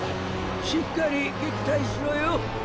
しっかり撃退しろよッ！